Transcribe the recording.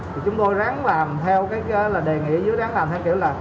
thì chúng tôi ráng làm theo cái là đề nghị dưới ráng làm theo kiểu là